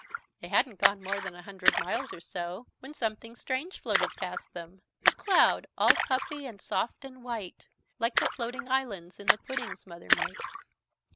They hadn't gone more than a hundred miles or so, when something strange floated past them a cloud all puffy and soft and white, like the floating islands in the puddings Mother makes.